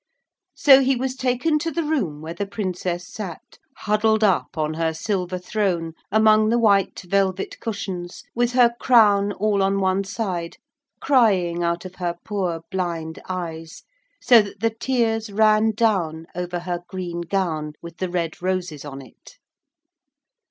So he was taken to the room where the Princess sat huddled up on her silver throne among the white velvet cushions with her crown all on one side, crying out of her poor blind eyes, so that the tears ran down over her green gown with the red roses on it.